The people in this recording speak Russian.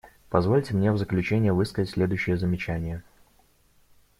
Позвольте мне в заключение высказать следующие замечания.